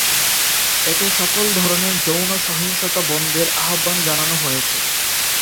এতে সকল ধরনের যৌন সহিংসতা বন্ধের আহ্বান জানানো হয়েছে।